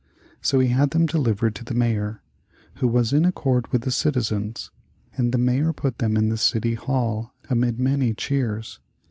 So he had them delivered to the Mayor, who was in accord with the citizens, and the Mayor put them in the City Hall amid many cheers.